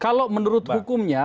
kalau menurut hukumnya